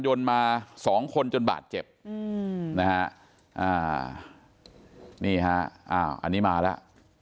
ยนต์มาสองคนจนบาดเจ็บอืมนะฮะอ่านี่ฮะอ้าวอันนี้มาแล้ว